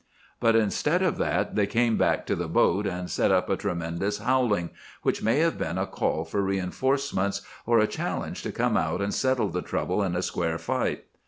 "But instead of that they came back to the boat, and set up a tremendous howling, which may have been a call for re enforcements, or a challenge to come out and settle the trouble in a square fight.